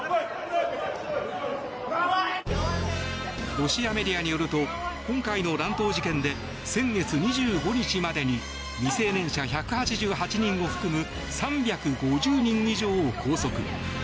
ロシアメディアによると今回の乱闘事件で先月２５日までに未成年者１８８人を含む３５０人以上を拘束。